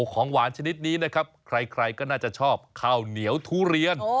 ของหวานชนิดนี้นะครับใครก็น่าจะชอบข้าวเหนียวทุเรียน